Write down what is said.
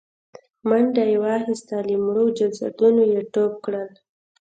منډه يې واخيسته، له مړو جسدونو يې ټوپ کړل.